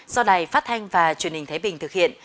do đài phát thanh và truyền hình thái bình thực hiện